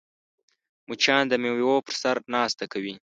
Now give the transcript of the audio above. مچان د میوو په سر ناسته کوي